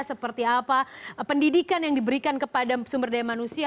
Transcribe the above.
seperti apa pendidikan yang diberikan kepada sumber daya manusia